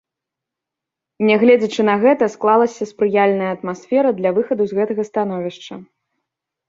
Нягледзячы на гэта, склалася спрыяльная атмасфера для выхаду з гэтага становішча.